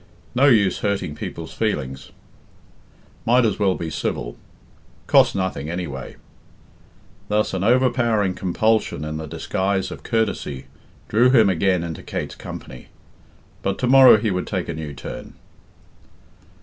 No use hurting people's feelings. Might as well be civil. Cost nothing anyway. Thus an overpowering compulsion in the disguise of courtesy drew him again into Kate's company; but to morrow he would take a new turn.